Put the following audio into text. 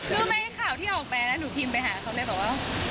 รู้ไหมข่าวที่ออกไปแล้วหนูพิมพ์ไปหาเขาเลยบอกว่า